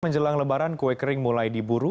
menjelang lebaran kue kering mulai diburu